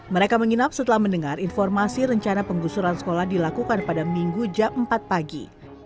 mereka menginap setelah mendengar informasi rencana penggusuran sekolah dilakukan pada minggu jam empat pagi